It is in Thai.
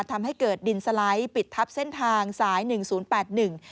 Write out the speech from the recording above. ทำให้เกิดดินสไลด์ปิดทับเส้นทางสายหนึ่งศูนย์แปดหนึ่ง